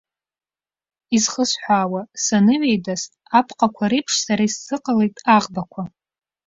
Изхысҳәаауа, саныҩеидас, апҟақәа реиԥш сара исзыҟалеит аӷбақәа.